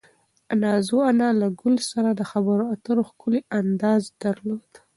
نازو انا له ګل سره د خبرو اترو ښکلی انداز درلود.